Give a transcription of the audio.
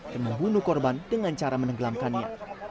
dan membunuh korban dengan cara menenggelamkannya